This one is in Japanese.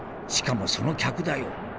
しかもその客だよ。